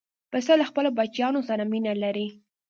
پسه له خپلو بچیانو سره مینه لري.